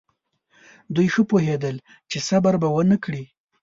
دوی ښه پوهېدل چې صبر به ونه کړي.